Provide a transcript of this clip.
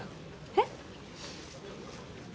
えっ？